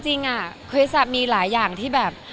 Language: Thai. จริงคุยกับซะมีหลายอย่างที่แบบ